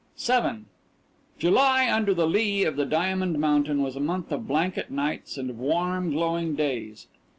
VII July under the lee of the diamond mountain was a month of blanket nights and of warm, glowing days.